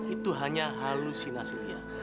itu hanya halusinasi lia